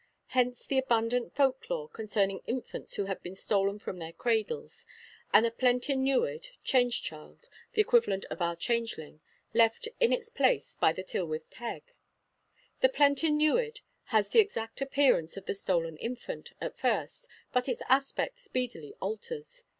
Hence the abundant folk lore concerning infants who have been stolen from their cradles, and a plentyn newid (change child the equivalent of our changeling) left in its place by the Tylwyth Teg. The plentyn newid has the exact appearance of the stolen infant, at first; but its aspect speedily alters.